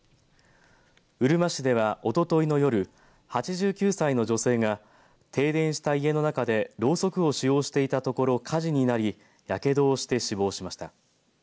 うるま市ではおとといの夜８９歳の女性が停電した家の中でろうそくを使用していたところ火事になりやけどをして死亡しました。